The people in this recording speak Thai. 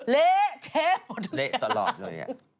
เละเฉ๊ะหมดดำมาเหล็กตลอดเลย